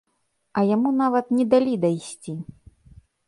А яму нават не далі дайсці.